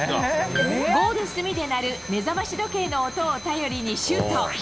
ゴール隅で鳴る、目覚まし時計の音を頼りにシュート。